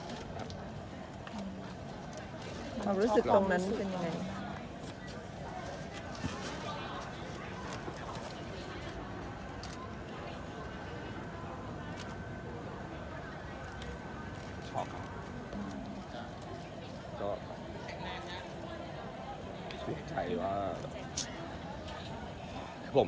ชอบเขาอืมก็แบบแบบแบบสุขใจว่า